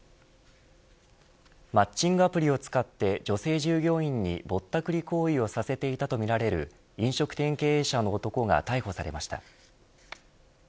マッチングアプリを使って女性従業員にぼったくり行為をさせていたとみられる飲食店経営者の男が逮捕されました。